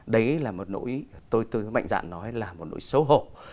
đấy là một nỗi tôi tôi mạnh dạn nói là một nỗi xấu hổ